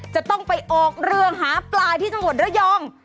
จะต้องไปออกเรืองหาปลาที่จังหวัดระยอง